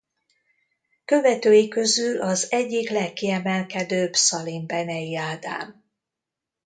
Követői közül az egyik legkiemelkedőbb Salimbene-i Ádám.